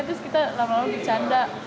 terus kita lama lama dicanda